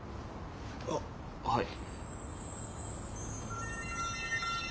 あっはい。